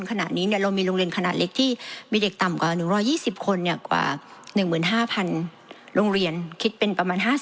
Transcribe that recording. ขณะนี้เรามีโรงเรียนขนาดเล็กที่มีเด็กต่ำกว่า๑๒๐คนกว่า๑๕๐๐๐โรงเรียนคิดเป็นประมาณ๕๐